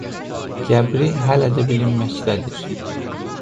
Qəbri hələ də bilinməkdədir.